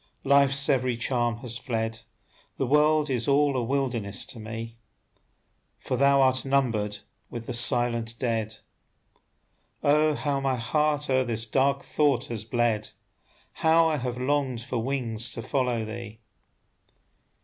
Life's every charm has fled, The world is all a wilderness to me; "For thou art numbered with the silent dead." Oh, how my heart o'er this dark thought has bled! How I have longed for wings to follow thee!